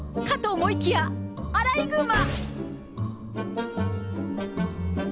思いきや、アライグマ。